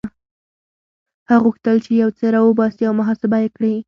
هغه غوښتل چې يو څه را وباسي او محاسبه يې کړي.